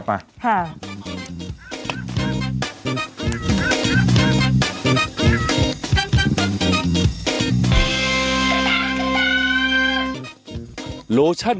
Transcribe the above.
พักก่อน